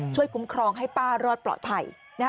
คุ้มครองให้ป้ารอดปลอดภัย